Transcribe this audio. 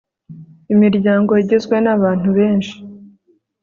imiryango igizwe n'abantu benshi